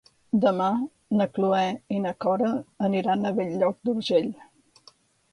Demà na Cloè i na Cora aniran a Bell-lloc d'Urgell.